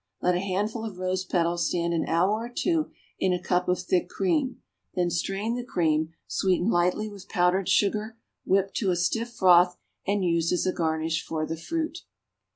Let a handful of rose petals stand an hour or two in a cup of thick cream; then strain the cream, sweeten slightly with powdered sugar, whip to a stiff froth, and use as a garnish for the fruit.